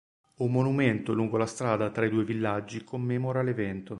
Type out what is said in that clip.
Un monumento lungo la strada tra i due villaggi commemora l'evento.